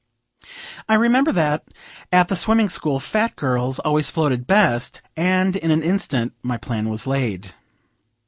I remember that, at the swimming school, fat girls always floated best, and in an instant my plan is laid.